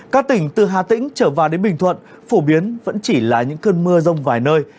các tỉnh từ hà tĩnh trở vào đến bình thuận phổ biến vẫn chỉ là những cơn mưa rông vài nơi